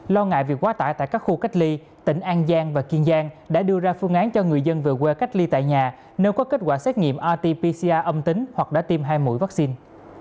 lo ngại việc quá tải tại các khu cách ly tỉnh an giang và kiên giang đã đưa ra phương án cho người dân về quê cách ly tại nhà nếu có kết quả xét nghiệm rt pcr âm tính hoặc đã tiêm hai mũi vaccine